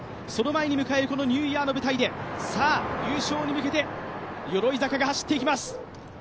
その前に迎えるこのニューイヤーの舞台でさぁ、優勝に向けて鎧坂が走っていきます。